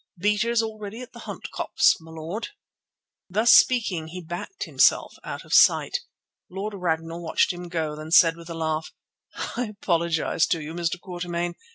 Beaters all ready at the Hunt Copse, my lord." Thus speaking he backed himself out of sight. Lord Ragnall watched him go, then said with a laugh: "I apologize to you, Mr. Quatermain.